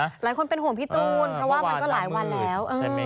หลายคนเป็นห่วงพี่ตูนเพราะว่ามันก็หลายวันแล้ว